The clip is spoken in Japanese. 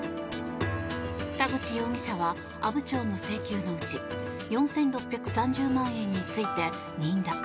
田口容疑者は阿武町の請求のうち４６３０万円について認諾。